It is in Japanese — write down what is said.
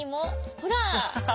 ほら！